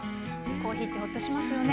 コーヒーってほっとしますよね。